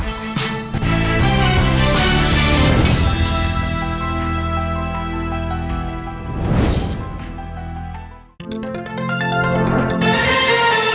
สวัสดีครับ